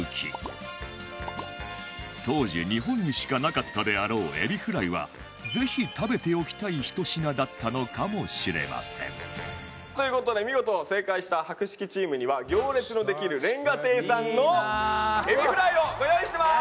当時日本にしかなかったであろうエビフライはぜひ食べておきたいひと品だったのかもしれませんという事で見事正解した博識チームには行列のできる瓦亭さんのエビフライをご用意してます。